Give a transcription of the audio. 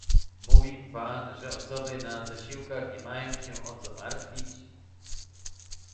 Mówi Pan, że osoby na zasiłkach nie mają się o co martwić